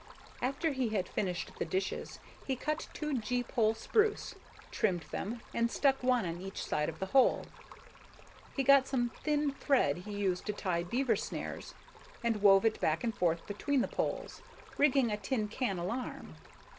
After he had finished the dishes, he cut two gee pole spruce, trimmed them, and stuck one on each side of the hole. He got some thin thread he used to tie beaver snares and wove it back and forth between the poles, rigging a tin can alarm.